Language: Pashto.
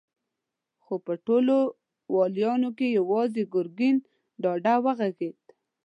خو په ټولو واليانو کې يواځې ګرګين ډاډه وغږېد.